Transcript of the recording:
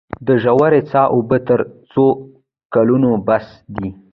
د ژورې څاه اوبه تر څو کلونو بس دي؟